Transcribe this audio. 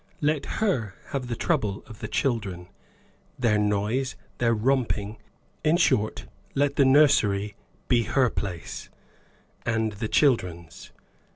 Let her have the trouble of the children, their noise, their romping; in short, let the nursery be her place, and the children's.